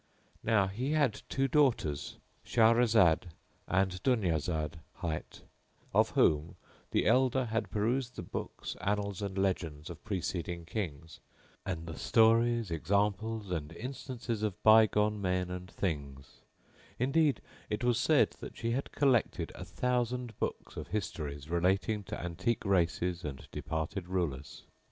Now he had two daughters, Shahrazad and Dunyazad hight,[FN#21] of whom the elder had perused the books, annals and legends of preceding Kings, and the stories, examples and instances of by gone men and things; indeed it was said that she had collected a thousand books of histories relating to antique races and departed rulers.